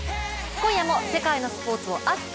今夜も世界のスポ−ツを熱く！